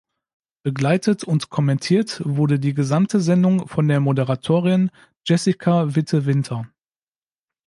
Begleitet und kommentiert wurde die gesamte Sendung von der Moderatorin Jessica Witte-Winter.